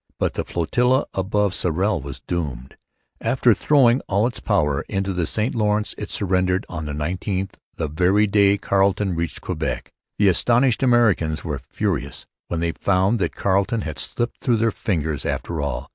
But the flotilla above Sorel was doomed. After throwing all its powder into the St Lawrence it surrendered on the 19th, the very day Carleton reached Quebec. The astonished Americans were furious when they found that Carleton had slipped through their fingers after all.